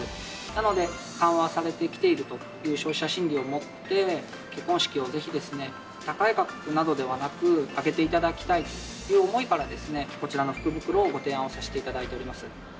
なので、緩和されてきているという消費者心理をもって、結婚式をぜひ、高い価格ではなく、挙げていただきたいという思いから、こちらの福袋をご提案をさせていただいております。